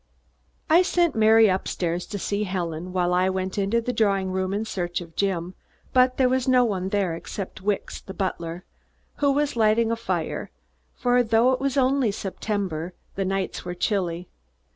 I sent Mary up stairs to see Helen, while I went into the drawing room in search of Jim, but there was no one there except Wicks, the butler, who was lighting a fire, for, though it was only the last of September, the nights were chilly.